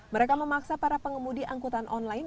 mereka memaksa para pengemudi angkutan online